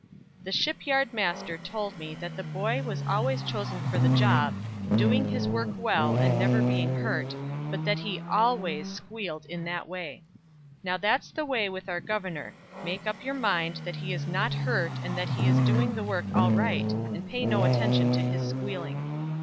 "The shipyard master told me that the boy was always chosen for the job, doing his work well and never being hurt, but that he always squealed in that way. "Now, that's the way with our governor; make up your mind that he is not hurt and that he is doing the work all right, and pay no attention to his squealing."